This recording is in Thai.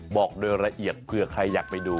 บอกโดยละเอียดเผื่อใครอยากไปดู